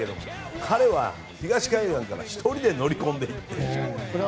彼は東海岸から１人で乗り込んでいって。